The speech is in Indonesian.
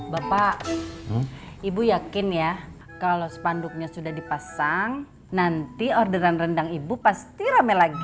bapak ibu yakin ya kalau spanduknya sudah dipasang nanti orderan rendang ibu pasti rame lagi